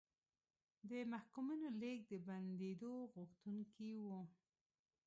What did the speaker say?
د محکومینو لېږد د بندېدو غوښتونکي وو.